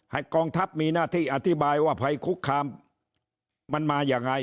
กองทัพมีหน้าที่อธิบายว่าภัยคุกคามมันมายังไง